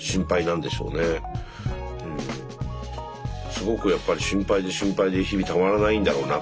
すごくやっぱり心配で心配で日々たまらないんだろうな。